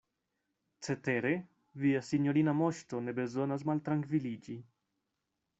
Cetere via sinjorina Moŝto ne bezonas maltrankviliĝi.